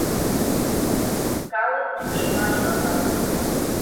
Калык тӱҥшыла шога.